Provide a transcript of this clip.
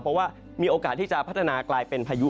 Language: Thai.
เพราะว่ามีโอกาสที่จะพัฒนากลายเป็นพายุ